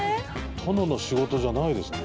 殿の仕事じゃないですね。